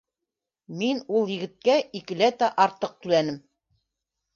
Мин ул егеткә икеләтә артыҡ түләнем